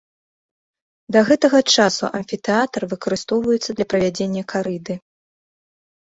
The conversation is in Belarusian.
Да гэтага часу амфітэатр выкарыстоўваецца для правядзення карыды.